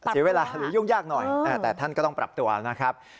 เสียเวลาหรือยุ่งยากหน่อยแต่ท่านก็ต้องปรับตัวนะครับ